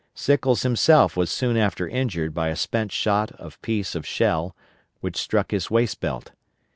Sickles himself was soon after injured by a spent shot of piece of shell, which struck his waist belt.